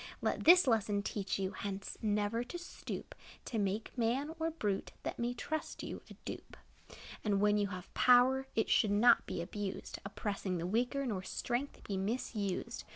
Let this lesson teach you, Hence never to stoop To make man, or brute, That may trust you, a dupe. And when you have power, It should not be abused, Oppressing the weaker, Nor strength be misused.